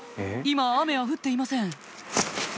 今雨は降っていません